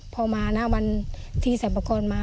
พอมาณวันที่สรรพากรมา